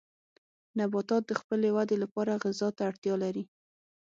نباتات د خپلې ودې لپاره غذا ته اړتیا لري.